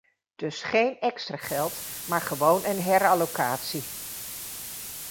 Dus geen extra geld, maar gewoon een herallocatie.